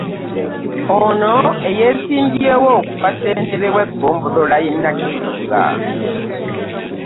Ono eyeesimbyewo ku bwassentebe bw'eggombolola y'e Nakisunga